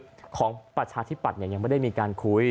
ของประชาธิปัตย์ยังไม่ได้มีการคุย